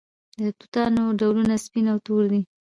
د توتانو ډولونه سپین او تور دي.